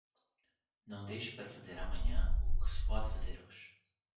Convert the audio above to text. Não deixe para fazer amanhã o que se pode fazer hoje